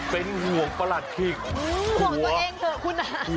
เป็นห่วงประหลัดขิกห่วงตัวเองเถอะคุณนะ